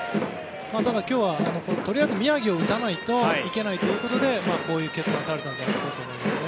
ただ今日は宮城をとりあえず打たないといけないということでこういう決断をされたと思います。